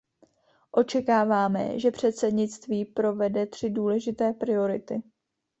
Očekáváme, že předsednictví provede tři důležité priority.